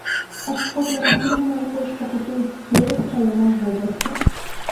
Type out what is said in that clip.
Ад шкоднай расліны найбольш пакутуюць дзевяць раёнаў вобласці.